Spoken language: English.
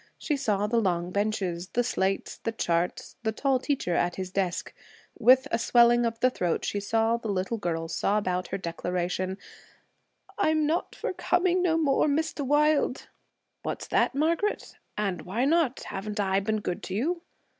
She saw the long benches, the slates, the charts, the tall teacher at his desk. With a swelling of the throat, she saw the little girl sob out her declaration: 'I'm not for coming no more, Mr. Wilde.' 'What's that, Margaret? And why not? Haven't I been good to you?'